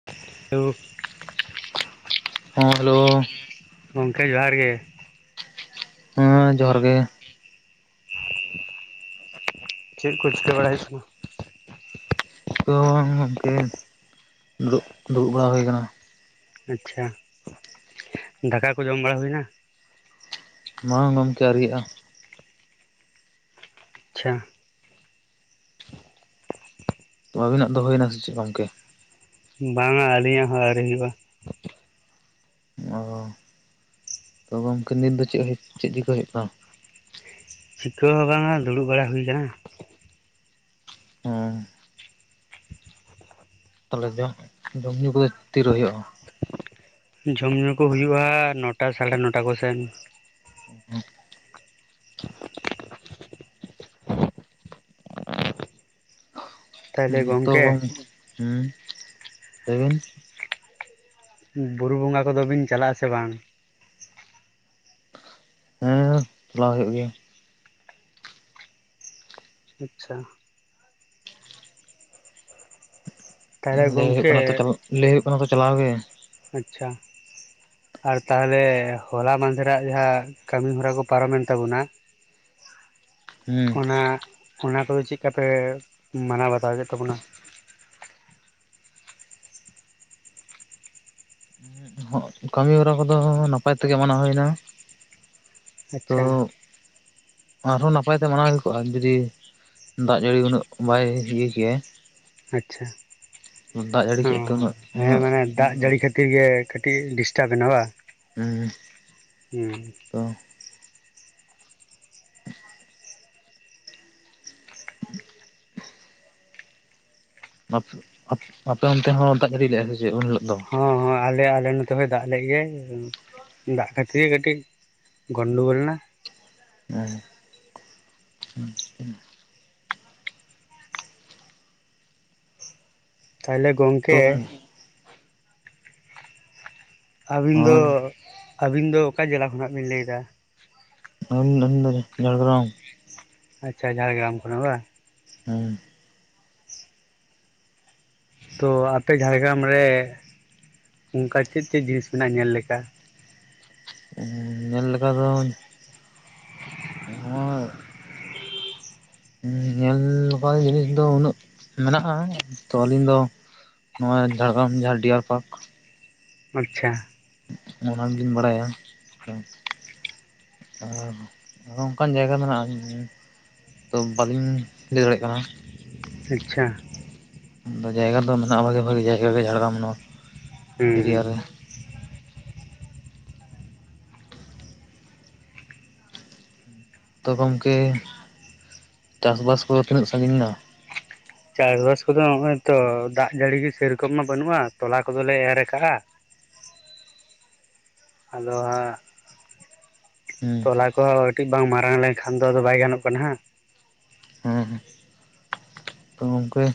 [unintelligible] ᱦᱚᱸ ᱦᱮᱞᱳ ᱾ ᱜᱚᱢᱠᱮ ᱡᱚᱦᱟᱨ ᱜᱮ ᱾ ᱦᱮᱸ ᱡᱚᱦᱟᱨ ᱜᱮ ᱾ ᱪᱮᱫ ᱠᱚ ᱪᱤᱠᱟᱹ ᱵᱟᱲᱟᱭ ᱦᱩᱭᱩᱜ ᱠᱟᱱᱟ? [inaudible] ᱜᱚᱢᱠᱮ ᱫᱩᱲᱩᱵ ᱫᱩᱲᱩᱵ ᱵᱟᱲᱟ ᱦᱩᱭ ᱟᱠᱟᱱᱟ ᱾ ᱟᱪᱪᱷᱟ, ᱫᱟᱠᱟ ᱠᱚ ᱡᱚᱢ ᱵᱟᱲᱟ ᱦᱩᱭ ᱱᱟ? ᱵᱟᱝ ᱜᱚᱢᱠᱮ ᱟᱹᱣᱨᱤ ᱟᱜᱼᱟ ᱾ ᱟᱪᱪᱷᱟ ᱾ ᱛᱚ ᱟᱹᱵᱤᱱ ᱱᱟᱸᱜ ᱫᱚ ᱦᱩᱭᱮᱱᱟ ᱥᱮ ᱪᱮᱫ ᱜᱚᱝᱠᱮ? ᱵᱟᱝᱟ ᱟᱹᱞᱤᱧᱟᱜ ᱦᱚᱸ ᱟᱹᱣᱨᱤ ᱦᱩᱭᱩᱜᱼᱟ ᱾ ᱚ ᱛᱚ ᱜᱚᱝᱠᱮ ᱱᱤᱛ ᱫᱚ ᱪᱮᱫ ᱪᱮᱫ ᱪᱤᱠᱟᱹ ᱦᱳᱭᱳᱜ ᱠᱟᱱᱟ? ᱪᱤᱠᱟᱹ ᱦᱚᱸ ᱵᱟᱝᱟ ᱫᱩᱲᱩᱵ ᱵᱟᱲᱟ ᱦᱩᱭ ᱟᱠᱟᱱᱟ ᱾ [unintelligible] ᱛᱟᱦᱚᱞᱮ ᱡᱚᱢ ᱧᱩ ᱠᱚᱫᱚ ᱛᱤᱨᱮ ᱦᱩᱭᱩᱜᱼᱟ? ᱡᱚᱢ ᱧᱩ ᱠᱚ ᱦᱩᱭᱩᱜᱳᱼᱟ ᱱᱚᱴᱟ ᱥᱟᱲᱮ ᱱᱚᱴᱟ ᱠᱚᱥᱮᱱ ᱾ [unintelligible] ᱛᱟᱦᱚᱞᱮ ᱦᱮᱸ ᱛᱚ ᱜᱚᱝᱠᱮ ᱜᱚᱢ ᱦᱮᱸ ᱞᱟᱹᱭ ᱵᱤᱱ? ᱵᱩᱨᱩ ᱵᱚᱸᱜᱟ ᱠᱚᱫᱚ ᱵᱤᱱ ᱪᱟᱞᱟᱜᱼᱟᱥᱮ ᱵᱟᱝ? ᱦᱮᱸ ᱪᱟᱞᱟᱣ ᱦᱩᱭᱩᱜ ᱜᱮᱭᱟ ᱾ ᱟᱪᱪᱷᱟ ᱾ ᱛᱟᱦᱚᱞᱮ ᱞᱟᱹᱭ ᱦᱩᱭᱩᱜ ᱜᱚᱝᱠᱮ ᱠᱟᱱᱟ ᱛᱚ ᱞᱟᱹᱭ ᱦᱚᱭᱚᱜ ᱠᱟᱱᱟ ᱛᱚ ᱪᱟᱞᱟᱣ ᱜᱮ ᱾ ᱟᱪᱪᱷᱟ ᱾ ᱟᱨ ᱛᱟᱦᱚᱞᱮ ᱦᱚᱞᱟ ᱢᱫᱷᱮᱨᱟᱜ ᱡᱟᱦᱟᱸ ᱠᱟᱹᱢᱤ ᱦᱚᱨᱟ ᱠᱚ ᱯᱟᱨᱚᱢᱮᱱ ᱛᱟᱵᱚᱱᱟ ᱦᱮᱸ ᱚᱱᱟ ᱚᱱᱟ ᱠᱚᱫᱚ ᱪᱮᱫ ᱠᱟᱯᱮ ᱢᱟᱱᱟᱣ ᱵᱟᱛᱟᱣ ᱠᱮᱫ ᱛᱟᱵᱚᱱᱟ? ᱠᱟᱹᱢᱤ ᱦᱚᱨᱟ ᱠᱚᱫᱚ ᱱᱟᱯᱟᱭ ᱛᱮᱜᱮ ᱢᱟᱱᱟᱣ ᱦᱩᱭᱱᱟ ᱾ ᱛᱚ ᱟᱪᱪᱷᱟ ᱟᱨᱦᱚᱸ ᱱᱟᱯᱟᱭ ᱛᱮ ᱢᱟᱱᱟᱣ ᱦᱩᱭ ᱠᱚᱜᱼᱟ, ᱡᱩᱚᱫᱤ ᱫᱟᱜ ᱡᱟᱹᱲᱤ ᱩᱱᱟᱹᱜ ᱵᱟᱭ ᱤᱭᱟᱹ ᱠᱮᱭᱟ ᱟᱪᱪᱷᱟ ᱡᱟᱹᱲᱤ ᱚ ᱠᱮᱫ ᱛᱮ ᱩᱱᱟᱹᱜ ᱦᱮᱸ ᱩᱱᱟᱹᱜ ᱢᱟᱱᱮ ᱫᱟᱜ ᱡᱟᱹᱲᱤ ᱠᱷᱟᱹᱛᱤᱨ ᱠᱷᱟᱹᱛᱤᱨ ᱜᱮ ᱠᱟᱹᱴᱤᱡ ᱰᱤᱥᱴᱟᱵᱮᱱᱟ ᱵᱟᱝ? ᱦᱮᱸ ᱦᱩᱸ ᱛᱚ ᱾ [unintelligible] [unintelligible] ᱟᱯᱮ ᱚᱱᱛᱮ ᱦᱚᱸ ᱫᱟᱜ ᱡᱟᱹᱲᱤ ᱞᱮᱼᱟ ᱥᱮ ᱩᱱ ᱦᱤᱞᱳᱜ? ᱫᱚ? ᱦᱚᱸ ᱦᱚᱸ ᱟᱞᱮ ᱟᱞᱮ ᱱᱚ ᱱᱚᱛᱮ ᱫᱟᱜ ᱞᱮᱫ ᱜᱮᱭ ᱫᱟᱜ ᱠᱷᱟᱹᱛᱤᱨ ᱜᱮ ᱠᱟᱹᱴᱤᱡ ᱜᱚᱱᱰᱳ ᱜᱳᱞ ᱮᱱᱟ ᱾ [unintelligible] ᱛᱟᱦᱚᱞᱮ ᱛᱚ ᱜᱚᱝᱠᱮ ᱟᱹᱵᱤᱱ ᱫᱚ ᱦᱚᱸ ᱟᱹᱵᱤᱱ ᱫᱚ ᱚᱠᱟ ᱡᱮᱞᱟ ᱠᱷᱚᱱᱟᱜ ᱵᱤᱱ ᱞᱟᱹᱭ ᱮᱫᱟ? [inaudible] ᱡᱷᱟᱲᱜᱨᱟᱢ ᱾ ᱟᱪᱪᱷᱟ ᱡᱷᱟᱲᱜᱨᱟᱢ ᱠᱷᱚᱱᱟ ᱵᱟ? ᱦᱚᱭ ᱛᱚ ᱟᱯᱮ ᱡᱷᱟᱲᱜᱨᱟᱢ ᱨᱮ ᱚᱱᱠᱟ ᱪᱮᱫ ᱪᱮᱫ ᱡᱤᱱᱤᱥ ᱢᱮᱱᱟᱜᱼᱟ ᱧᱮᱞ ᱞᱮᱠᱟ? ᱧᱮᱞ ᱞᱮᱠᱟ ᱫᱚ! [unintelligible] ᱧᱮᱞ ᱞᱮᱠᱟ ᱡᱤᱱᱤᱥ ᱫᱚ ᱩᱱᱟᱹᱜ ᱢᱮᱱᱟᱜᱼᱟ ᱛᱚ ᱟᱹᱞᱤᱧ ᱫᱚᱼᱼ ᱱᱚᱣᱟ ᱡᱷᱟᱲᱜᱨᱟᱢ ᱡᱟᱦᱟᱸ ᱰᱤᱭᱟᱨ ᱯᱟᱨᱠ ᱟᱪᱪᱷᱟ ᱚᱱᱟ ᱜᱤᱧ ᱵᱟᱲᱟᱭᱟ ᱚ ᱟᱨ ᱚᱱᱠᱟᱱ ᱡᱟᱭᱜᱟ ᱢᱮᱱᱟᱜᱼᱟ ᱛᱚ ᱵᱟᱹᱞᱤᱧ ᱞᱟᱹᱭ ᱫᱟᱲᱮᱭᱟᱜ ᱠᱟᱱᱟ ᱟᱪᱪᱷᱟ ᱫᱚ ᱡᱟᱭᱜᱟ ᱫᱚ ᱢᱮᱱᱟᱜᱼᱟ ᱵᱷᱟᱜᱤ ᱵᱷᱟᱜᱤ ᱡᱟᱭᱜᱟ ᱜᱮ ᱡᱷᱟᱲᱜᱟᱨᱟᱢ [unintelligible] ᱦᱩᱸ ᱦᱩᱸ ᱛᱚ ᱜᱚᱢᱠᱮ ᱪᱟᱥ ᱵᱟᱥ ᱠᱚᱫᱚ ᱛᱤᱱᱟᱹᱜ ᱥᱟᱜᱤᱧ ᱮᱱᱟ ᱪᱟᱥ ᱵᱟᱥ ᱠᱚᱫᱚ ᱱᱚᱜᱚᱭ ᱛᱚ ᱫᱟᱜ ᱡᱟᱹᱲᱤ ᱜᱮ ᱥᱮᱨᱚᱠᱚᱢ ᱢᱟ ᱵᱟᱹᱱᱩᱜᱼᱟ ᱛᱚᱞᱟ ᱠᱚᱫᱚᱞᱮ ᱮᱨ ᱟᱠᱟᱜᱼᱟ ᱟᱫᱚ ᱦᱟᱸᱜ ᱦᱩᱸ ᱛᱚᱞᱟ ᱠᱚᱦᱚᱸ ᱠᱟᱹᱴᱤᱡ ᱵᱟᱝ ᱢᱟᱨᱟᱝ ᱞᱮᱱ ᱠᱷᱟᱱ ᱫᱚ ᱟᱫᱚ ᱵᱟᱭ ᱜᱟᱱᱚᱜ ᱠᱟᱱᱟ ᱦᱟᱸᱜ ᱦᱩᱸ ᱦᱩᱸ ᱜᱚᱝᱠᱮ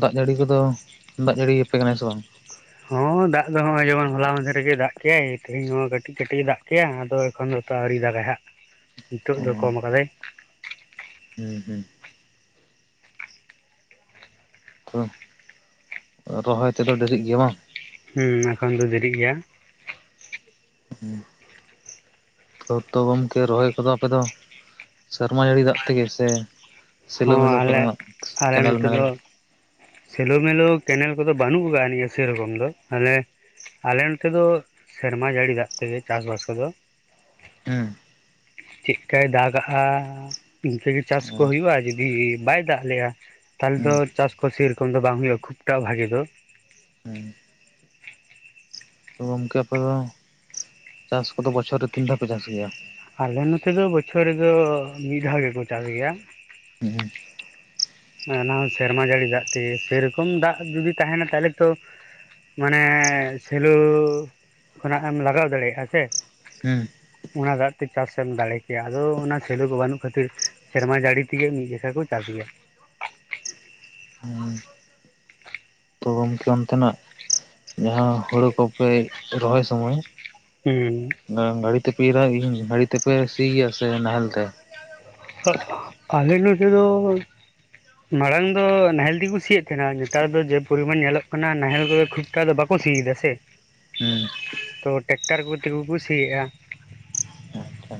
ᱫᱟᱜ ᱡᱟᱹᱲᱤ ᱠᱚᱫᱚ ᱫᱟᱜ ᱡᱟᱹᱲᱤ ᱟᱯᱮ ᱠᱟᱱᱟᱭ ᱥᱮ ᱵᱟᱝ ᱦᱚᱸ ᱫᱟᱜ ᱫᱚ ᱱᱚᱜᱼᱚᱭ ᱡᱮᱢᱚᱱ ᱦᱚᱞᱟ ᱢᱟᱫᱷᱮᱮᱨ ᱜᱮᱭ ᱫᱟᱜ ᱠᱮᱜᱟᱭ ᱛᱮᱦᱮᱧ ᱦᱚᱸ ᱠᱟᱹᱴᱤᱡ ᱠᱟᱹᱴᱤᱡ ᱮ ᱫᱟᱜ ᱠᱮᱭᱟ ᱟᱫᱚᱼᱼ ᱛᱚᱠᱷᱚᱱ ᱫᱚ ᱛᱚ ᱟᱹᱣᱨᱤ ᱫᱟᱜᱟᱭ ᱦᱟᱸᱜ ᱱᱤᱛᱚᱜ ᱚ ᱫᱚ ᱠᱚᱢ ᱟᱠᱟᱫᱟᱭ ᱦᱩᱸ ᱦᱩᱸ ᱛᱚ ᱨᱚᱦᱚᱭ ᱛᱮᱫᱚ ᱰᱮᱨᱤᱜ ᱜᱮᱭᱟ ᱵᱟᱝ ᱦᱮᱸ ᱮᱠᱷᱚᱱ ᱫᱚ ᱫᱮᱨᱤᱜ ᱜᱮᱭᱟ [unintelligible] ᱛᱚ ᱛᱚ ᱜᱚᱢᱠᱮ ᱨᱚᱦᱚᱭ ᱠᱚᱫᱚ ᱟᱯᱮ ᱫᱚ ᱥᱮᱨᱢᱟ ᱡᱟᱹᱲᱤ ᱫᱟᱜ ᱛᱮᱜᱮ ᱥᱮᱼᱼ ᱥᱤᱞᱳ ᱦᱚᱸ ᱢᱤᱞᱳ ᱠᱚ ᱟᱞᱮ ᱨᱮᱱᱟᱜ ᱟᱞᱮ ᱠᱮᱱᱮᱞ ᱱᱚᱛᱮ ᱢᱮᱱᱮᱞ ᱫᱚ ᱥᱮᱞᱳ ᱢᱮᱞᱳ ᱠᱮᱱᱮᱞ ᱠᱚᱫᱚ ᱵᱟᱹᱱᱩᱜ ᱟᱠᱟᱫ ᱟ ᱱᱤᱭᱟᱹ ᱥᱮᱨᱚᱠᱚᱢ ᱫᱚ ᱛᱟᱦᱞᱮ ᱟᱞᱮ ᱱᱚᱛᱮ ᱫᱚ ᱥᱮᱨᱢᱟ ᱡᱟᱹᱲᱤ ᱫᱟᱜ ᱛᱮᱜᱮ ᱪᱟᱥ ᱵᱟᱥ ᱠᱚᱫᱚᱼᱼ ᱦᱮᱸ ᱪᱮᱫᱠᱟᱭ ᱫᱟᱜᱟᱼᱦᱟᱜ ᱤᱱᱠᱟᱹ ᱜᱮ ᱪᱟᱥ ᱠᱚ ᱦᱩᱸ ᱦᱩᱭᱩᱜᱼᱟ ᱡᱚᱫᱤ ᱵᱟᱭ ᱫᱟᱜ ᱞᱮᱜᱼᱟ ᱛᱟᱦᱚᱞᱮ ᱦᱩᱸ ᱫᱚ ᱪᱟᱥ ᱠᱚ ᱥᱮᱨᱚᱠᱚᱢ ᱫᱚ ᱵᱟᱝ ᱦᱳᱭᱳᱜᱼᱟ ᱠᱷᱩᱵᱴᱟ ᱵᱷᱟᱜᱤ ᱫᱚ ᱦᱮᱸ ᱜᱚᱝᱠᱮ ᱟᱯᱮ ᱫᱚ ᱪᱟᱥ ᱠᱚᱫᱚ ᱵᱚᱪᱷᱚᱨ ᱨᱮ ᱛᱤᱱ ᱫᱷᱟᱣ ᱯᱮ ᱪᱟᱥ ᱜᱮᱭᱟ ᱟᱞᱮ ᱱᱚᱛᱮ ᱫᱚ ᱵᱚᱪᱷᱚᱨ ᱨᱮᱫᱚ ᱢᱤᱫ ᱫᱷᱟᱣ ᱜᱮ ᱠᱚ ᱪᱟᱥ ᱜᱮᱭᱟ ᱦᱮᱸ ᱚᱱᱟ ᱦᱚᱸ ᱥᱮᱨᱢᱟ ᱡᱟᱹᱲᱤ ᱫᱟᱜ ᱛᱮᱜᱮ ᱥᱮᱨᱚᱠᱚᱢ ᱫᱟᱜ ᱡᱩᱫᱤ ᱛᱟᱦᱮᱱᱟ ᱛᱟᱦᱚᱞᱮ ᱛᱚᱼᱼ ᱢᱟᱱᱮ ᱥᱮᱞᱩ ᱠᱷᱚᱱᱟᱜ ᱮᱢ ᱞᱟᱜᱟᱣ ᱫᱟᱲᱮᱭᱟᱜᱼᱟ ᱥᱮ ᱦᱮᱸ ᱚᱱᱟ ᱫᱟᱜ ᱛᱮ ᱪᱟᱥᱮ ᱮᱢ ᱫᱟᱲᱮ ᱠᱮᱭᱟ ᱟᱫᱚ ᱚᱱᱟ ᱥᱮᱞᱚ ᱠᱚ ᱵᱟᱹᱱᱩᱜ ᱠᱷᱟᱛᱤᱨ ᱥᱮᱨᱢᱟ ᱡᱟᱹᱲᱤ ᱛᱮᱜᱮ ᱢᱤᱫ ᱡᱮᱠᱷᱟ ᱠᱚ ᱪᱟᱥ ᱜᱮᱭᱟ [inaudible] ᱛᱚ ᱜᱚᱢᱠᱮ ᱚᱱᱛᱮᱱᱟᱜ ᱡᱟᱦᱟᱸ ᱦᱳᱲᱳ ᱠᱚᱯᱮ ᱨᱚᱦᱚᱭ ᱥᱚᱢᱚᱭ ᱦᱩᱸ ᱜᱟᱹᱲᱤ ᱛᱮᱯᱮ ᱤᱨᱟ ᱜᱟᱹᱲᱤ ᱛᱮᱯᱮ ᱥᱤᱭᱟ ᱥᱮ ᱱᱟᱦᱮᱞ ᱛᱮ᱾ [inaudible] ᱟᱞᱮ ᱱᱚᱛᱮ ᱫᱚ᱾ ᱢᱟᱲᱟᱝ ᱫᱚ ᱱᱟᱦᱮᱞ ᱛᱮᱜᱤ ᱠᱩ ᱥᱤᱭᱮᱫ ᱛᱟᱦᱮᱱᱟ ᱱᱮᱛᱟᱨ ᱫᱚ ᱡᱮ ᱯᱚᱨᱤᱢᱟᱱ ᱧᱮᱞᱚᱜ ᱠᱟᱱᱟ ᱱᱟᱦᱮᱞ ᱠᱚᱫᱚ ᱠᱷᱩᱵ- ᱠᱟ ᱫᱚ ᱵᱟᱠᱚ ᱥᱤᱤᱭ ᱮᱫᱟ ᱥᱮ᱾ ᱦᱩᱸ ᱛᱚ ᱴᱮᱠᱴᱟᱨ ᱠᱚ ᱛᱮ ᱜᱮᱠᱩ ᱥᱤᱭᱮᱫ-ᱟ᱾ ᱟᱪᱪᱷᱟ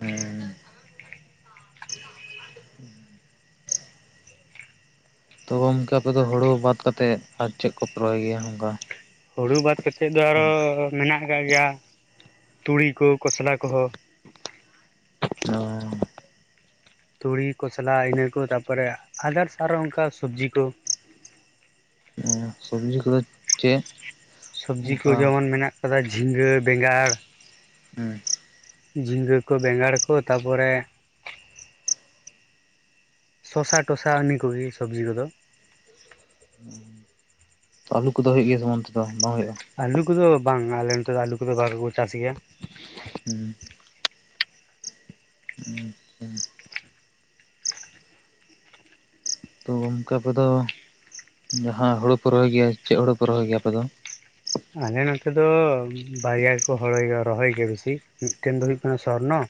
ᱦᱩᱸ ᱜᱚᱢᱠᱮ ᱟᱯᱮ ᱫᱚ ᱦᱩᱲᱩ ᱵᱟᱫ ᱠᱟᱛᱮᱫ ᱟᱨ ᱪᱮᱫ ᱠᱚᱯᱮ ᱨᱚᱦᱚᱭ ᱜᱮᱭᱟ ᱚᱱᱠᱟ᱾ ᱦᱩᱲᱩ ᱵᱟᱫ ᱠᱟᱛᱮᱫ ᱫᱚ ᱟᱨᱦᱚᱸ ᱢᱮᱱᱟᱜ ᱟᱠᱟᱫ ᱜᱮᱭᱟ ᱛᱩᱲᱤ ᱠᱚ ᱠᱷᱚᱥᱞᱟ ᱠᱚᱦᱚᱸ᱾ [unintelligible] ᱛᱩᱲᱤ ᱠᱚᱥᱞᱟ ᱤᱱᱟᱹ ᱠᱚ ᱛᱟᱯᱚᱨᱮ ᱟᱫᱟᱨᱥ ᱟᱨᱚ ᱚᱱᱠᱟ ᱥᱚᱵᱽᱡᱤ ᱠᱚ᱾ ᱥᱚᱵᱽᱡᱤ ᱠᱚᱫᱚ ᱪᱮᱫ ᱥᱚᱵᱽᱡᱤ ᱠᱚ ᱚᱱᱠᱟ ᱡᱮᱢᱚᱱ ᱢᱮᱱᱟᱜ ᱠᱟᱫᱟ ᱡᱷᱤᱸᱜᱟᱹ, ᱵᱮᱸᱜᱟᱲ ᱦᱩᱸ ᱡᱷᱤᱸᱜᱟᱹ ᱠᱚ, ᱵᱮᱸᱜᱟᱲ ᱠᱚ ᱛᱟᱯᱚᱨᱮ ᱥᱚᱥᱟ ᱴᱚᱥᱟ ᱤᱱᱟᱹ ᱠᱚᱜᱮ ᱥᱚᱵᱽᱡᱤ ᱠᱚᱫᱚ᱾ ᱟᱞᱩ ᱠᱚᱫᱚ ᱦᱩᱭᱩᱜ ᱜᱮᱭᱟ ᱥᱮ ᱵᱟᱝ ᱚᱱᱛᱮ ᱫᱚ ᱵᱟᱝ ᱦᱩᱭᱩᱜ-ᱟ? ᱟᱹᱞᱩ ᱠᱚᱫᱚ ᱵᱟᱝ ᱟᱞᱮ ᱱᱚᱛᱮ ᱫᱚ ᱟᱹᱞᱩ ᱠᱚᱫᱚ ᱵᱷᱟᱜᱮ ᱠᱚ ᱪᱟᱥ ᱜᱮᱭᱟ᱾ ᱦᱩᱸ [inaudible] ᱛᱚ ᱜᱚᱢᱠᱮ ᱟᱯᱮ ᱫᱚ ᱡᱟᱦᱟᱸ ᱦᱳᱲᱳ ᱠᱚ ᱨᱚᱦᱚᱭ ᱜᱮᱭᱟ ᱪᱮᱫ ᱦᱳᱲᱳ ᱠᱚ ᱨᱚᱦᱚᱭ ᱜᱮᱭᱟ ᱟᱯᱮ ᱫᱚ? ᱟᱞᱮ ᱱᱚᱛᱮ ᱫᱚ ᱵᱟᱨᱭᱟ ᱜᱮᱠᱚ [unintelligible] ᱨᱚᱦᱚᱭ ᱜᱮᱭᱟ ᱵᱮᱥᱤ ᱢᱤᱫᱴᱮᱱ ᱫᱚ ᱦᱩᱭᱩᱜ ᱠᱟᱱᱟ ᱥᱚᱨᱱᱚ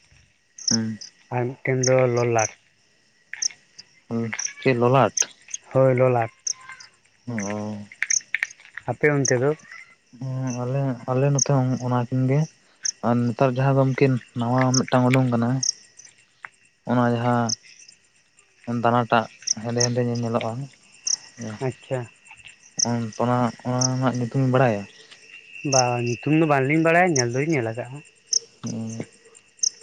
ᱟᱨ ᱢᱤᱫᱴᱮᱱ ᱫᱚ ᱞᱚᱞᱟᱴ᱾ ᱦᱩᱸ ᱪᱮᱫ ᱞᱚᱞᱟᱴ? ᱦᱳᱭ ᱞᱚᱞᱟᱴ᱾ ᱦᱚᱸ ᱟᱯᱮ ᱚᱱᱛᱮ ᱫᱚ᱾ ᱦᱚᱸ ᱟᱞᱮ ᱟᱞᱮ ᱱᱚᱛᱮ ᱦᱚᱸ ᱚᱱᱟᱠᱤᱱ ᱜᱮ᱾ ᱟᱨ ᱱᱮᱛᱟᱨ ᱡᱟᱦᱟᱸ ᱜᱚᱢᱠᱤᱱ ᱱᱟᱣᱟ ᱢᱤᱫᱴᱟᱝ ᱩᱰᱩᱝ ᱠᱟᱱᱟ ᱚᱱᱟ ᱡᱟᱦᱟᱸ ᱫᱟᱱᱟ ᱴᱟᱜ ᱦᱮᱸᱫᱮ ᱦᱮᱸᱫᱮ ᱧᱮ ᱧᱮᱞᱚᱜ-ᱟ᱾ ᱟᱪᱪᱷᱟ ᱚᱱᱟ ᱚᱱᱟ ᱨᱮᱱᱟᱜ ᱧᱩᱛᱩᱢ ᱤᱧ ᱵᱟᱲᱟᱭᱟ᱾ ᱵᱟᱜ ᱧᱩᱛᱩᱢ ᱫᱚ ᱵᱟᱝᱞᱤᱧ ᱵᱟᱲᱟᱭᱟ ᱧᱮᱞ ᱫᱚᱧ ᱧᱮᱞ ᱠᱟᱜ-ᱟ᱾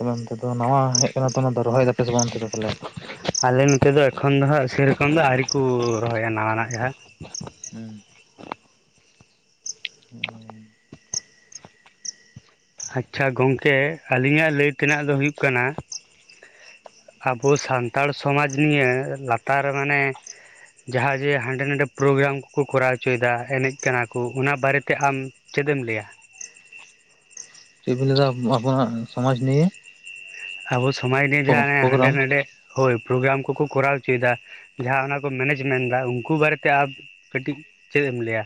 ᱚ ᱚᱱᱛᱮ ᱫᱚ ᱱᱟᱣᱟ ᱦᱮᱡ ᱠᱟᱱᱟ ᱛᱚ ᱚᱱᱟ ᱨᱚᱦᱚᱭ ᱫᱟᱯᱮ ᱥᱮ ᱵᱟᱝ ᱚᱱᱛᱮ ᱫᱚ ᱛᱟᱦᱞᱮ᱾ ᱟᱞᱮ ᱱᱚᱛᱮ ᱫᱚ ᱮᱠᱷᱚᱱ ᱫᱚ ᱦᱟᱸᱜ ᱥᱮᱨᱚᱠᱚᱢ ᱫᱚ ᱟᱹᱣᱨᱤ ᱠᱩ ᱨᱚᱦᱚᱭᱟ ᱱᱟᱣᱟ ᱱᱟᱜ ᱡᱟᱦᱟᱸ᱾ ᱦᱩᱸ ᱦᱚᱸ ᱟᱪᱪᱷᱟ ᱜᱚᱝᱠᱮ ᱟᱹᱞᱤᱧᱟᱜ ᱞᱟᱹᱭ ᱛᱮᱱᱟᱜ ᱫᱚ ᱦᱩᱭᱩᱜ ᱠᱟᱱᱟ᱾ ᱟᱵᱚ ᱥᱟᱱᱛᱟᱲ ᱥᱚᱢᱟᱡᱽ ᱱᱤᱭᱟᱹ ᱞᱟᱛᱟᱨ ᱢᱟᱱᱮ ᱡᱟᱦᱟᱸ ᱡᱮ ᱦᱟᱸᱰᱮ ᱱᱟᱰᱮ ᱯᱨᱳᱜᱨᱟᱢ ᱠᱚᱠᱚ ᱠᱚᱨᱟᱣ ᱦᱚᱪᱚᱭᱫᱟ ᱮᱱᱮᱡ ᱠᱟᱱᱟ ᱠᱩ ᱚᱱᱟ ᱵᱟᱨᱮᱛᱮ ᱟᱢ ᱪᱮᱫ ᱮᱢ ᱞᱟᱹᱭᱟ᱾ ᱪᱮᱫ ᱵᱤᱱ ᱞᱟᱹᱭ ᱫᱟ ᱟᱵᱚᱱᱟᱜ ᱥᱚᱢᱟᱡᱽ ᱱᱤᱭᱮ? ᱟᱵᱚ ᱥᱚᱢᱟᱡᱽ ᱱᱤᱭᱮ ᱡᱟᱦᱟᱸ ᱦᱟᱸᱰᱮ ᱯᱨᱳᱜᱨᱟᱢ ᱱᱟᱰᱮ ᱦᱳᱭ ᱯᱨᱳᱜᱨᱟᱢ ᱠᱚᱠᱚ ᱠᱚᱨᱟᱣ ᱦᱚᱪᱚᱭᱫᱟ ᱡᱟᱦᱟᱸ ᱚᱱᱟ ᱠᱚ ᱢᱮᱱᱮᱡ ᱢᱮᱱᱴ ᱫᱟ ᱩᱱᱠᱩ ᱵᱟᱨᱮᱛᱮ ᱟᱢ ᱠᱟᱹᱴᱤᱡ ᱪᱮᱫ ᱮᱢ ᱞᱟᱹᱭᱟ?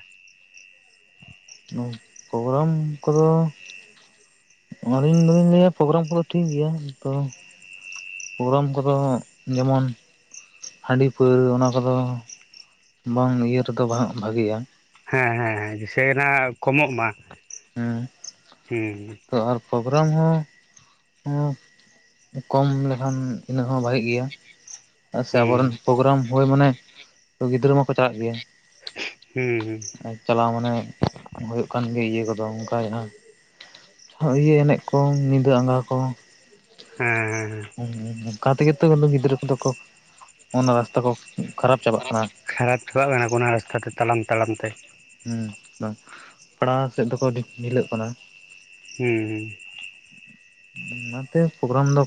ᱳ ᱯᱨᱳᱜᱨᱟᱢ ᱠᱚᱫᱚ ᱟᱹᱞᱤᱧ ᱫᱚᱞᱤᱧ ᱞᱟᱹᱭᱟ ᱯᱨᱳᱜᱨᱟᱢ ᱠᱚᱫᱚ ᱴᱷᱤᱠ ᱜᱮᱭᱟ᱾ ᱛᱚ ᱯᱨᱳᱜᱨᱟᱢ ᱠᱚᱫᱚ ᱡᱮᱢᱚᱱ ᱦᱟᱺᱰᱤ ᱯᱟᱹᱣᱨᱟᱹ ᱚᱱᱟ ᱠᱚᱫᱚ ᱵᱟᱝ ᱤᱭᱟᱹ ᱨᱮᱫᱚ ᱵᱟᱝ ᱵᱷᱟ-ᱵᱷᱟᱹᱜᱮᱭᱟ᱾ ᱦᱮᱸ ᱦᱮᱸ ᱫᱤᱥᱮᱭᱱᱟ ᱠᱚᱢᱚᱜ ᱢᱟ, ᱦᱮᱸ ᱦᱩᱸ᱾ ᱛᱚ ᱟᱨ ᱯᱨᱳᱜᱨᱟᱢ ᱦᱚᱸ ᱠᱚᱢ ᱞᱮᱠᱷᱟᱱ ᱤᱱᱟᱹ ᱦᱚᱸ ᱵᱷᱟᱜᱮᱜ ᱜᱮᱭᱟ᱾ ᱟ ᱥᱮ ᱦᱩᱸ ᱦᱩᱸ ᱟᱵᱚᱨᱮᱱ ᱯᱨᱳᱜᱨᱟᱢ ᱦᱩᱭ ᱢᱟᱱᱮ ᱜᱤᱫᱽᱨᱟᱹ ᱢᱟᱠᱚ ᱪᱟᱞᱟᱜ ᱜᱮᱭᱟ᱾ ᱦᱩᱸ ᱦᱩᱸ᱾ ᱪᱟᱞᱟᱣ ᱢᱟᱱᱮ ᱦᱩᱭᱩᱜ ᱠᱟᱱ ᱜᱮ ᱤᱭᱟᱹ ᱠᱚᱫᱚ᱾ ᱟᱫᱚ ᱚᱱᱠᱟ ᱡᱟᱦᱟᱸ ᱦᱚ ᱤᱭᱟᱹ ᱮᱱᱮᱡ ᱠᱚ ᱧᱤᱫᱟᱹ ᱟᱸᱜᱟ ᱠᱚ᱾ ᱦᱮᱸ ᱦᱮᱸ ᱦᱮᱸ᱾ ᱚᱱᱠᱟ ᱛᱮᱜᱮ ᱛᱚ ᱜᱤᱫᱽᱨᱟᱹ ᱠᱚᱫᱚ ᱠᱚ ᱚᱱᱟ ᱨᱟᱥᱛᱟ ᱠᱚ ᱠᱷᱟᱨᱟᱯ ᱪᱟᱵᱟᱜ ᱠᱟᱱᱟ ᱠᱷᱟᱨᱟᱯ ᱪᱟᱵᱟᱜ ᱠᱟᱱᱟ ᱠᱚ ᱚᱱᱟ ᱨᱟᱥᱛᱟ ᱛᱮ ᱛᱟᱲᱟᱢ ᱛᱟᱲᱟᱢ ᱛᱮ᱾ ᱦᱩᱸ ᱵᱟᱝ ᱯᱟᱲᱦᱟᱣ ᱥᱮᱫ ᱫᱚᱠᱚ ᱵᱷᱤ-ᱰᱷᱤᱞᱟᱹᱜ ᱠᱟᱱᱟ᱾ ᱦᱩᱸ ᱦᱩᱸ᱾ ᱚᱱᱟᱛᱮ ᱯᱨᱳᱜᱨᱟᱢ ᱫᱚ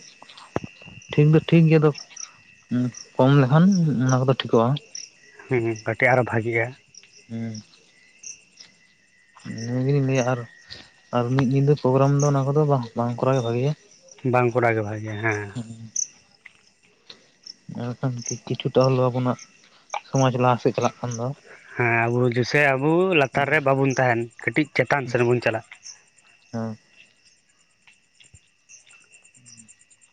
ᱴᱷᱤᱠ ᱫᱚ ᱴᱷᱤᱠ ᱜᱮᱭᱟ ᱟᱫᱚ ᱩᱸ ᱠᱚᱢ ᱞᱮᱠᱷᱟᱱ ᱚᱱᱟ ᱠᱚᱫᱚ ᱴᱷᱤᱠᱚᱜᱼᱟ᱾ ᱦᱮᱸ ᱠᱟᱹᱴᱤᱡ ᱟᱨᱚ ᱵᱷᱟᱹᱜᱤᱜᱼᱟ᱾ ᱦᱩᱸ᱾ ᱱᱤᱭᱟᱹ ᱜᱮᱞᱤᱧ ᱞᱟᱹᱭᱟ ᱟᱨ ᱟᱨ ᱟᱨ ᱢᱤᱫ ᱧᱤᱫᱟᱹ ᱯᱨᱳᱜᱨᱟᱢ ᱫᱚ ᱚᱱᱟ ᱠᱚᱫᱚ ᱵᱟᱝ ᱵᱟᱝ ᱠᱚᱨᱟᱣ ᱜᱮ ᱵᱷᱟᱜᱮᱭᱟ᱾ ᱵᱟᱝ ᱠᱚᱨᱟᱣ ᱜᱮ ᱵᱷᱟᱜᱮᱭᱟ ᱦᱮᱸ᱾ ᱚᱸ᱾ ᱢᱮᱱᱠᱷᱟᱱ ᱠᱤ-ᱠᱤᱪᱷᱩᱴᱟ ᱦᱚᱞᱳ ᱟᱵᱚᱱᱟᱜ ᱥᱚᱢᱟᱡᱽ ᱞᱟᱦᱟᱥᱮᱫ ᱪᱟᱞᱟᱜ ᱠᱟᱱ ᱫᱚ᱾ ᱦᱮᱸ ᱟᱵᱩ ᱡᱮᱥᱮ ᱟᱵᱩ ᱞᱟᱛᱟᱨ ᱨᱮ ᱵᱟᱵᱩᱱ ᱛᱟᱦᱮᱱ, ᱠᱟᱹᱴᱤᱡ ᱪᱮᱛᱟᱱ ᱥᱮᱱ ᱵᱚᱱ ᱪᱟᱞᱟᱜ-ᱟ᱾ ᱦᱮᱸ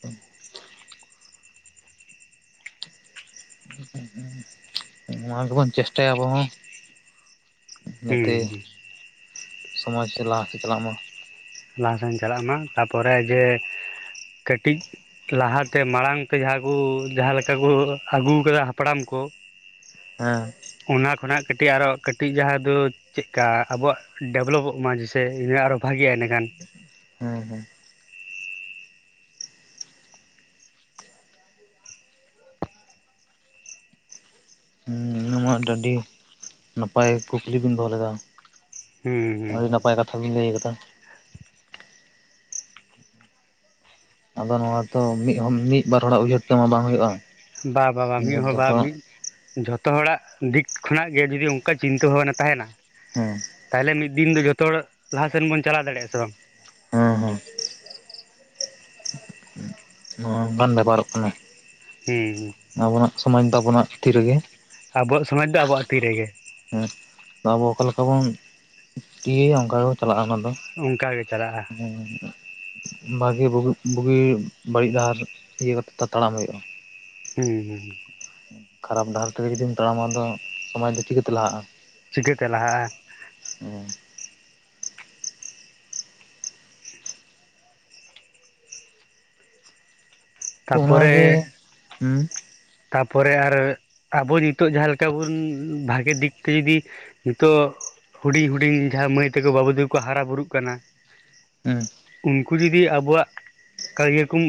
ᱦᱩᱸ᱾ ᱦᱩᱸ ᱱᱚᱣᱟ ᱜᱮᱵᱚᱱ ᱪᱮᱥᱴᱟᱭᱟ ᱟᱵᱚ ᱦᱚᱸ᱾ ᱡᱟᱛᱮ ᱦᱩᱸ ᱥᱚᱢᱟᱡᱽ ᱞᱟᱦᱟ ᱥᱮᱫ ᱪᱟᱞᱟᱜ ᱢᱟ᱾ ᱞᱟᱦᱟ ᱥᱮᱱ ᱪᱟᱞᱟᱜ ᱢᱮ ᱛᱟᱯᱚᱨᱮ ᱡᱮ ᱠᱟᱹᱴᱤᱡᱼᱼ ᱞᱟᱦᱟᱛᱮ ᱢᱟᱲᱟᱝ ᱛᱮ ᱡᱟᱦᱟᱸᱠᱩ ᱡᱟᱦᱟᱸ ᱞᱮᱠᱟᱠᱩ ᱟᱹᱜᱩᱣ ᱟᱠᱟᱫᱟ ᱦᱟᱯᱲᱟᱢ ᱠᱚ᱾ ᱦᱮᱸ᱾ ᱚᱱᱟ ᱠᱷᱚᱱᱟᱜ ᱠᱟᱹᱴᱤᱡ ᱟᱨᱚ ᱠᱟᱹᱴᱤᱡ ᱡᱟᱦᱟᱸ ᱫᱚ ᱪᱮᱫᱠᱟ ᱟᱵᱚᱣᱟᱜ ᱰᱮᱵᱷᱞᱚᱵᱚᱜ ᱢᱟ ᱡᱮᱭᱥᱮ ᱤᱱᱟᱹ ᱟᱨᱚ ᱵᱷᱟᱜᱤᱜᱼᱟ ᱤᱱᱟᱹᱠᱷᱟᱱ᱾ ᱦᱮᱸ ᱦᱮᱸ᱾ ᱱᱚᱣᱟ ᱫᱚ ᱟᱹᱰᱤ ᱱᱟᱯᱟᱭ ᱠᱩᱠᱞᱤ ᱵᱤᱱ ᱫᱚᱦᱚ ᱞᱮᱫᱟ᱾ ᱦᱩᱸ ᱟᱹᱰᱤ ᱦᱩᱸ ᱱᱟᱯᱟᱭ ᱠᱟᱛᱷᱟ ᱵᱤᱱ ᱞᱟᱹᱭ ᱟᱠᱟᱫᱟ᱾ ᱟᱫᱚ ᱱᱚᱣᱟ ᱫᱚ ᱢᱤᱫ ᱦᱚ ᱢᱤᱫ ᱵᱟᱨ ᱦᱚᱲᱟᱜ ᱩᱭᱦᱟᱹᱨ ᱛᱮᱢᱟ ᱵᱟᱝ ᱦᱤᱭᱩᱜᱼᱟ᱾ ᱵᱟᱼᱵᱟᱼᱵᱟ ᱢᱤᱫ ᱦᱚᱲ ᱵᱟ ᱢᱤᱫ ᱡᱷᱚᱛᱚ ᱦᱚᱲᱟᱜ ᱫᱤᱠ ᱠᱷᱚᱱᱟᱜ ᱜᱮ ᱡᱩᱫᱤ ᱚᱱᱠᱟ ᱪᱤᱱᱛᱟᱹ ᱵᱷᱟᱵᱽᱱᱟ ᱛᱟᱦᱮᱸᱱᱟ᱾ ᱦᱮᱸ᱾ ᱛᱟᱦᱮᱞᱮ ᱢᱤᱫ ᱫᱤᱱ ᱫᱚ ᱡᱷᱚᱛᱚ ᱦᱚᱲ ᱞᱟᱦᱟᱥᱱ ᱵᱚᱱ ᱪᱟᱞᱟᱣ ᱫᱟᱲᱮᱭᱟᱜᱼᱟ ᱦᱮᱸ ᱥᱮ ᱵᱟᱝ? ᱦᱩᱸ ᱦᱩᱸ᱾ ᱱᱚᱣᱟ ᱚᱱᱠᱟᱱ ᱵᱮᱯᱟᱨᱚᱜ ᱠᱟᱱᱟ᱾ ᱦᱩᱸ ᱦᱩᱸ᱾ ᱟᱵᱚᱱᱟᱜ ᱥᱚᱢᱟᱡᱽ ᱫᱚ ᱟᱵᱚᱱᱟᱜ ᱛᱤ ᱨᱮᱜᱮ᱾ ᱟᱵᱚᱣᱟᱜ ᱥᱚᱢᱟᱡᱽ ᱫᱚ ᱟᱵᱚᱣᱟᱜ ᱛᱤ ᱨᱮᱜᱮ᱾ ᱦᱩᱸ, ᱟᱵᱚ ᱚᱠᱟ ᱞᱮᱠᱟ ᱵᱚᱱ ᱤᱭᱟᱹᱭᱟ ᱚᱝᱠᱟ ᱜᱮᱵᱚ ᱪᱟᱞᱟᱜ-ᱟ ᱚᱱᱟ ᱫᱚ᱾ ᱚᱱᱠᱟ ᱜᱮ ᱪᱟᱞᱟᱜᱼᱟ ᱫᱚ, ᱩᱸ᱾ ᱵᱷᱟᱜᱤ ᱵᱩᱜᱤ ᱵᱟᱹᱲᱤᱡ ᱰᱟᱦᱟᱨ ᱤᱭᱟᱹ ᱠᱟᱛᱮᱫ ᱛᱚ ᱛᱟᱲᱟᱢ ᱦᱩᱭᱩᱜ-ᱟ᱾ ᱦᱩᱸ ᱦᱩᱸ᱾ ᱠᱷᱟᱨᱟᱯ ᱰᱟᱦᱟᱨ ᱛᱮᱜᱮ ᱡᱩᱫᱤᱢ ᱛᱟᱲᱟᱢᱟ ᱟᱫᱚ ᱥᱚᱢᱟᱡᱽ ᱫᱚ ᱪᱤᱠᱟᱹᱛᱮ ᱞᱟᱦᱟᱜ-ᱟ? ᱪᱤᱠᱟᱹᱛᱮ ᱞᱟᱦᱟᱜ-ᱟ? ᱩᱸ᱾ ᱛᱚ ᱚᱱᱟᱜᱮ ᱛᱟᱯᱚᱨᱮ ᱦᱩᱸ᱾ ᱛᱟᱯᱚᱨᱮ ᱟᱨ ᱟᱵᱚ ᱱᱤᱛᱚᱜ ᱡᱟᱦᱟᱸ ᱞᱮᱠᱟ ᱵᱩᱱ ᱵᱷᱟᱜᱮ ᱫᱤᱠ ᱛᱮ ᱡᱩᱫᱤ ᱦᱤᱛᱳᱜ ᱦᱩᱰᱤᱧ ᱦᱩᱰᱤᱧ ᱡᱟᱦᱟᱸ ᱢᱟᱹᱭ ᱛᱟᱠᱚ ᱵᱟᱹᱵᱩ ᱛᱟᱠᱚ ᱠᱚ ᱦᱟᱨᱟ ᱵᱩᱨᱩᱜ ᱠᱟᱱᱟ᱾ ᱦᱩᱸ᱾ ᱩᱝᱠᱩ ᱡᱩᱫᱤ ᱟᱵᱚᱣᱟᱜ ᱠᱟᱨᱤᱭᱟᱹᱨ ᱠᱚᱢ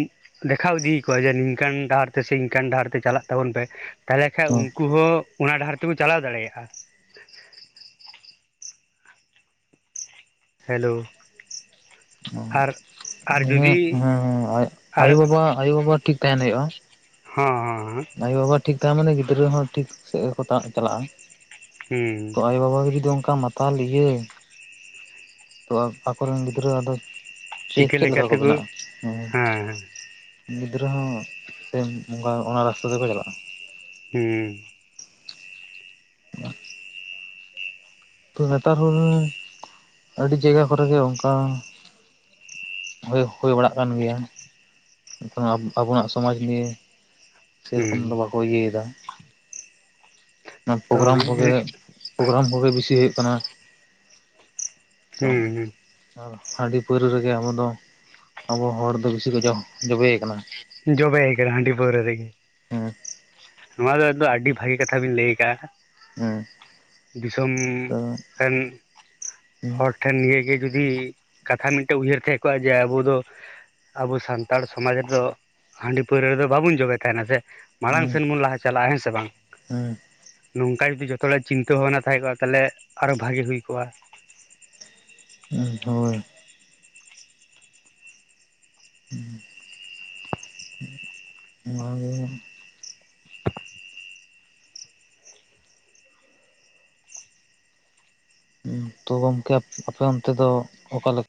ᱫᱮᱠᱷᱟᱣ ᱤᱫᱤ ᱟᱠᱚᱣᱟ ᱡᱮ ᱱᱤᱝᱠᱟᱹᱱ ᱰᱟᱦᱟᱨ ᱛᱮ ᱥᱮ ᱤᱝᱠᱟᱹᱱ ᱰᱟᱦᱟᱨ ᱛᱮ ᱪᱟᱞᱟᱜ ᱛᱟᱵᱚᱱ ᱯᱮ, ᱛᱟᱦᱞᱮ ᱠᱷᱟᱡ ᱦᱩᱸ ᱩᱱᱠᱩ ᱦᱚᱸ ᱚᱱᱟ ᱰᱟᱦᱟᱨ ᱛᱮᱠᱚ ᱪᱟᱞᱟᱣ ᱫᱟᱲᱮᱭᱟᱜ-ᱟ᱾ ᱦᱮᱞᱳ᱾ ᱚ, ᱟᱨ ᱟᱨ ᱦᱮᱸ ᱡᱩᱫᱤ ᱦᱮᱸ ᱟᱨ ᱟᱭᱳ ᱵᱟᱵᱟ, ᱟᱭᱳ ᱵᱟᱵᱟ ᱴᱷᱤᱠ ᱛᱟᱸᱦᱮᱱ ᱦᱩᱭᱩᱜ-ᱟ᱾ ᱦᱟᱸ ᱦᱟᱸ ᱦᱟᱸ᱾ ᱟᱭᱳ ᱵᱟᱵᱟ ᱴᱷᱤᱠ ᱛᱟᱦᱮᱸ ᱢᱟᱱᱮ ᱜᱤᱫᱽᱨᱟᱹ ᱦᱚᱸ ᱴᱷᱤᱠ ᱥᱮᱫ ᱜᱮᱠᱚ ᱪᱟᱞᱟᱜ-ᱟ᱾ ᱦᱩᱸ᱾ ᱛᱚ ᱟᱭᱳ ᱵᱟᱵᱟᱜᱮ ᱡᱩᱫᱤ ᱚᱱᱠᱟ ᱢᱟᱛᱟᱞ ᱤᱭᱟᱹ ᱛᱚ ᱟᱠᱚᱨᱮᱱ ᱜᱤᱫᱽᱨᱟᱹ ᱟᱫᱚ ᱪᱤᱠᱟᱹ ᱪᱮ-ᱪᱮᱫ ᱞᱮᱠᱟ ᱠᱚ ᱛᱮᱠᱚ ᱵᱮᱱᱟᱜ-ᱟ ᱦᱩᱸ? ᱦᱮᱸ ᱜᱤᱫᱽᱨᱟᱹ ᱦᱚᱸ ᱥᱮᱹᱭ ᱵᱚᱸᱜᱟ ᱚᱱᱟ ᱨᱟᱥᱛᱟ ᱛᱮᱠᱚ ᱪᱟᱞᱟᱜ-ᱟ᱾ ᱦᱩᱸ᱾ [unintelligible] ᱛᱚ ᱱᱮᱛᱟᱨ ᱦᱚᱨ ᱟᱹᱰᱤ ᱡᱟᱭᱜᱟ ᱠᱚᱨᱮ ᱜᱮ ᱚᱝᱠᱟ᱾ ᱦᱳᱭ, ᱦᱩᱭ ᱵᱟᱲᱟᱜ ᱠᱟᱱ ᱜᱮᱭᱟ᱾ ᱱᱤᱛᱳᱝᱟᱜ ᱟᱵᱚᱱᱟᱜ ᱥᱚᱢᱟᱡᱽ ᱱᱤᱭᱮ᱾ ᱥᱮᱨᱚᱠᱚᱢ ᱦᱩᱸ ᱫᱚ ᱵᱟᱠᱚ ᱤᱭᱟᱹᱭᱫᱟ ᱚᱱᱟ ᱛᱚ ᱯᱳᱜᱨᱟᱢ ᱚᱱᱮ ᱠᱚᱜᱮ᱾ ᱦᱩᱸ ᱯᱳᱜᱨᱟᱢ ᱠᱚᱜᱮ ᱵᱤᱥᱤ ᱦᱩᱭᱩᱜ ᱠᱟᱱᱟ ᱛᱚ᱾ ᱦᱩᱸ ᱟᱨ ᱦᱟᱺᱰᱤ ᱯᱟᱹᱣᱨᱟᱹ ᱨᱮᱜᱮ ᱟᱵᱚ ᱫᱚ ᱟᱵᱚ ᱦᱚᱲ ᱫᱚ ᱵᱤᱥᱤ ᱠᱚ ᱡᱚ ᱡᱚᱵᱮᱭᱟᱠᱟᱱᱟ᱾ ᱡᱚᱵᱮᱭ ᱠᱟᱱᱟ ᱦᱟᱺᱰᱤ ᱯᱟᱹᱨᱣᱟᱹ ᱨᱮᱜᱮ᱾ ᱦᱩᱸ᱾ ᱱᱚᱣᱟ ᱫᱚ ᱟᱫᱚ ᱟᱹᱰᱤ ᱵᱷᱟᱹᱜᱤ ᱠᱟᱛᱷᱟ ᱵᱤᱱ ᱞᱟᱹᱭ ᱠᱟᱜ-ᱟ᱾ ᱦᱮᱸ ᱫᱤᱥᱚᱢ ᱛᱚ ᱨᱮᱱ ᱦᱮᱸ ᱦᱚᱲ ᱴᱷᱮᱱ ᱱᱤᱭᱟᱹᱜᱮ ᱡᱩᱫᱤ ᱠᱟᱛᱷᱟ ᱢᱤᱫᱴᱮᱱ ᱩᱭᱦᱟᱹᱨ ᱛᱟᱦᱮᱸ ᱠᱚᱜ-ᱟ ᱡᱮ ᱟᱵᱚ ᱫᱚ ᱟᱵᱚ ᱥᱟᱱᱛᱟᱲ ᱥᱚᱢᱟᱡᱽ ᱨᱮᱫᱚ ᱦᱟᱺᱰᱤ ᱯᱟᱹᱣᱨᱟᱹ ᱨᱮᱫᱚ ᱵᱟᱵᱚᱱ ᱡᱚᱵᱮ ᱛᱟᱸᱦᱮᱱᱟ ᱥᱮ? ᱢᱟᱲᱟᱝ ᱦᱮᱸ ᱥᱮᱱ ᱵᱚᱱ ᱞᱟᱦᱟ ᱪᱟᱞᱟᱜ-ᱟ ᱦᱮᱸ ᱥᱮ ᱵᱟᱝ? ᱱᱚᱝᱠᱟ ᱡᱩᱫᱤ ᱡᱷᱚᱛᱚ ᱦᱚᱲᱟᱜ ᱪᱤᱱᱛᱟᱹ ᱵᱷᱟᱵᱱᱟ ᱛᱟᱦᱮᱸ ᱠᱚᱜ-ᱟ ᱛᱟᱦᱞᱮ ᱟᱨᱚ ᱵᱷᱟᱜᱤ ᱦᱩᱭ ᱠᱚᱜ-ᱟ᱾ ᱦᱳᱭ ᱦᱳᱭ᱾ ᱦᱩᱸ, ᱱᱚᱣᱟ ᱜᱮ ᱦᱩᱸ, ᱛᱚ ᱜᱚᱝᱠᱮ ᱟᱯᱮ ᱚᱱᱛᱮ ᱫᱚ ᱚᱠᱟ ᱞᱮ